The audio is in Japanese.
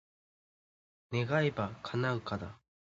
願えば、叶うから。